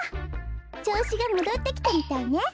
ちょうしがもどってきたみたいね。